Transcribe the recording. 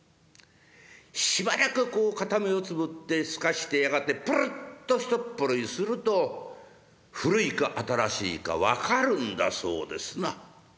しばらくこう片目をつぶって透かしてやがてプルルッと一っ震いすると古いか新しいか分かるんだそうですな。